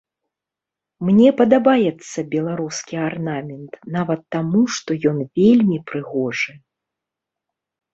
Мне падабаецца беларускі арнамент, нават таму што ён вельмі прыгожы.